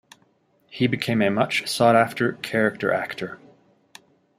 He became a much sought after character actor.